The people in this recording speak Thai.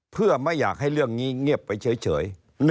เพื่อไม่อยากให้เรื่องนี้เงียบไปเฉย